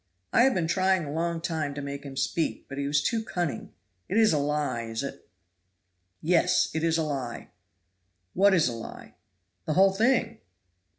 "I have been trying a long time to make him speak, but he was too cunning. It is a lie, is it?" "Yes, it is a lie." "What is a lie?" "The whole thing."